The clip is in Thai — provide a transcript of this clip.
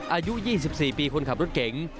อายุ๒๔ปีคนขับรถเก๋ง